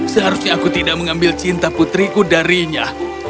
seharusnya aku tidak mengambil cinta putriku darinya